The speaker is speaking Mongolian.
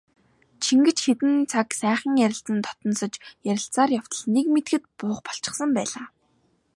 Чингэж хэдэн цаг сайхан ярилцан дотносож ярилцсаар явтал нэг мэдэхэд буух болчихсон байлаа.